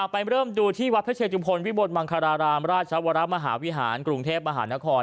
ไปเริ่มดูที่วัดพระเชตุพลวิบลมังคารารามราชวรมหาวิหารกรุงเทพมหานคร